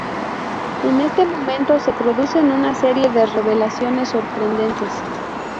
En este momento, se producen una serie de revelaciones sorprendentes.